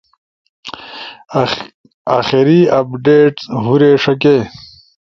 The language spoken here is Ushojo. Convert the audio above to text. آخری اپڈیٹس: ہورے ݜکے